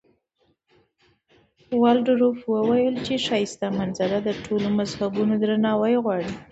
والډروف وویل چې ښایسته منظره د ټولو مذهبونو درناوی غواړي.